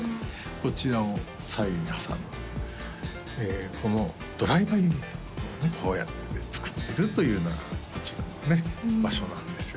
こちらを左右に挟んでこのドライバーユニットをねこうやって作ってるというのがこちらのね場所なんですよ